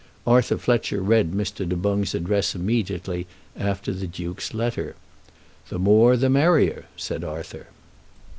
Arthur Fletcher read Mr. Du Boung's address immediately after the Duke's letter. "The more the merrier," said Arthur.